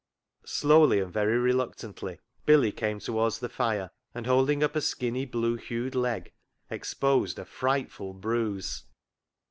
Slowly and very reluctantly Billy came towards the fire, and, holding up a skinny, blue hued leg, exposed a frightful bruise.